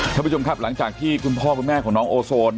ท่านผู้ชมครับหลังจากที่คุณพ่อคุณแม่ของน้องโอโซน